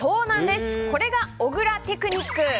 これが小倉テクニック。